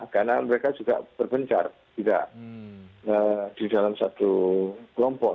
karena mereka juga berbencar di dalam satu kelompok